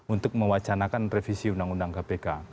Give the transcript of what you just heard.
untuk mewacanakan revisi undang undang kpk